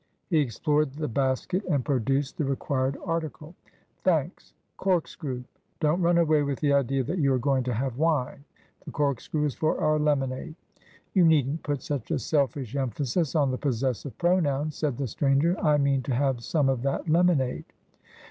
He explored the basket and produced the required article. ' Thanks. Corkscrew ! Don't run away with the idea that you are going to have wine. The corkscrew is for our lemonade.' ' You needn't put such a selfish emphasis on the possessive pronoun,' said the stranger. 'I mean to have some of that lemonade.